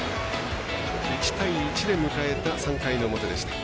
１対１で迎えた３回の表でした。